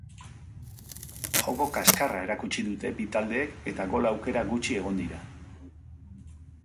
Joko kaskarra erakutsi dute bi taldeek eta gol aukera gutxi egon dira.